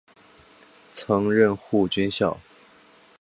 曾任护军校。